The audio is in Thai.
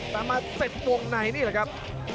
แต่มาเสร็จวงในนี่แหละครับ